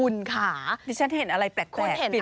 ดิฉันเห็นอะไรแปลก